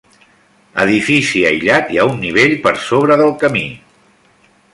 Edifici aïllat i a un nivell per sobre del camí.